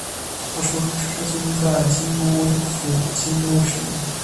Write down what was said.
她出生在京都府京都市。